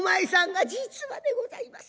「実はでございます。